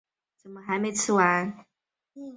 可应召唤者要求以人形出现。